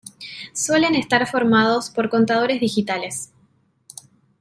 Suelen estar formados por contadores digitales.